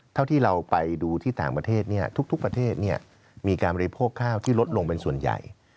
เท่าที่เราไปดูที่ต่างประเทศทุกประเทศมีการบริโภคข้าวที่ลดลงเป็นส่วนใหญ่